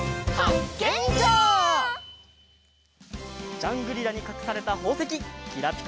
ジャングリラにかくされたほうせききらぴか